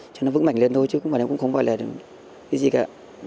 cho nó vững mạnh lên thôi chứ bạn em cũng không phải là cái gì cả